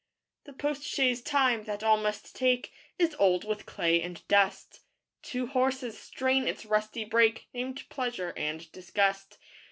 _ The post chaise Time that all must take Is old with clay and dust; Two horses strain its rusty brake Named Pleasure and Disgust.